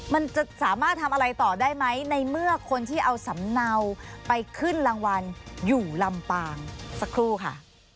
มันจะสามารถทำอะไรต่อได้ไหมในเมื่อคนที่เอาสำเนาไปขึ้นรางวัลอยู่ลำปางสักครู่ค่ะ